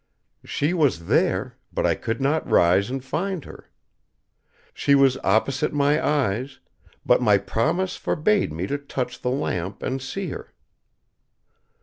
She was there, but I could not rise and find her. She was opposite my eyes, but my promise forbade me to touch the lamp and see her.